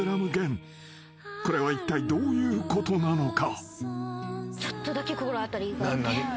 ［これはいったいどういうことなのか？］